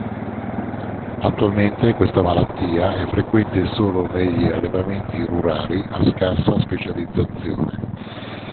Attualmente questa malattia è frequente solo negli allevamenti rurali, a scarsa specializzazione.